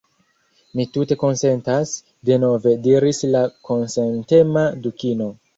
"Mi tute konsentas," denove diris la konsentema Dukino. "